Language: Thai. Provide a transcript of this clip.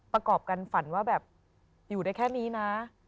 ประกอบกันฝันว่าแบบอยู่ได้แค่นี้นะ